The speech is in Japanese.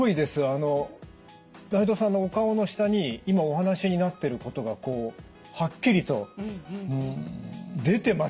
あの内藤さんのお顔の下に今お話しになってることがこうはっきりと出てます